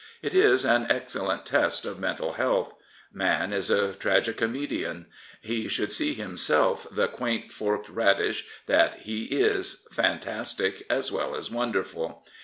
It is an excellent test of mental health. Man is a trad comedian. He should see himself the quaint " forfed radish " that 'Z20 Lord Curzon he is, fantastic as well as wonderful.